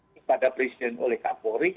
kepada presiden oleh kapolri